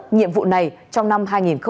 nhiệm vụ này trong năm hai nghìn hai mươi